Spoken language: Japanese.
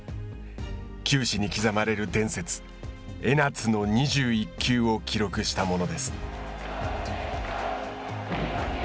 球史に刻まれる伝説江夏の２１球を記録したものです。